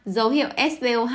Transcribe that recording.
ba dấu hiệu svo hai